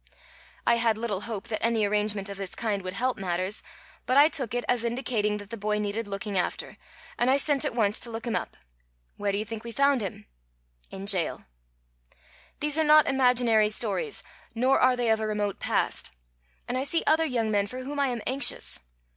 "I had little hope that any arrangement of this kind would help matters, but I took it as indicating that the boy needed looking after, and I sent at once to look him up. Where do you think we found him? In jail. "These are not imaginary stories, nor are they of a remote past. And I see other young men for whom I am anxious.